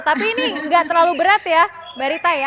tapi ini nggak terlalu berat ya mbak rita ya